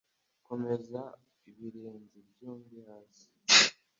Komeza ibirenge byombi hasi.